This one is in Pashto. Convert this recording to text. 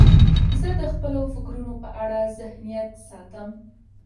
زه د خپلو فکرونو په اړه ذهنیت ساتم.